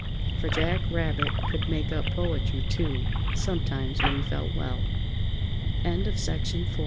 For Jack Rabbit could make up poetry, too, sometimes when he felt well. THE CROW'S COMPANY